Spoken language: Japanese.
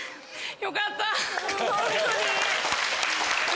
よかった。